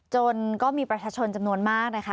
ก็มีประชาชนจำนวนมากนะคะ